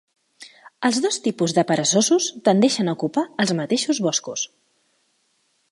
Els dos tipus de peresosos tendeixen a ocupar els mateixos boscos.